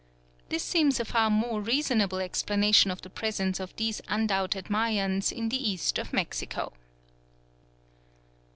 This seems a far more reasonable explanation of the presence of these undoubted Mayans in the east of Mexico.